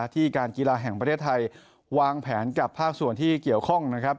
ที่การกีฬาแห่งประเทศไทยวางแผนกับภาคส่วนที่เกี่ยวข้องนะครับ